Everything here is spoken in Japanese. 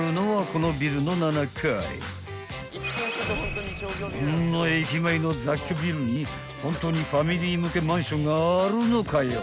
［こんな駅前の雑居ビルに本当にファミリー向けマンションがあるのかよ］